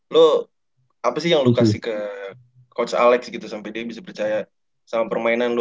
lo apa sih yang lo kasih ke coach alex gitu sampai dia bisa percaya sama permainan lo